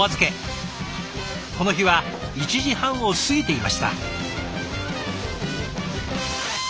この日は１時半を過ぎていました。